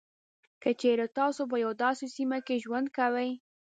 که چېري تاسو په یوه داسې سیمه کې ژوند کوئ.